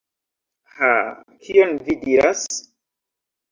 Ha, kion vi diras!